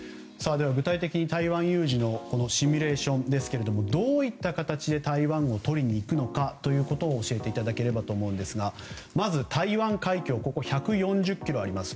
具体的に台湾有事のシミュレーションですがどういった形で台湾をとりにいくのかを教えていただければと思うんですがまず台湾海峡１４０ｋｍあります。